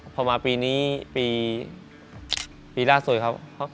พอมาปีนี้ปีล่าสุดครับ